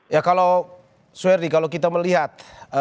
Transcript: ya kalau suwerdi kalau kita melihat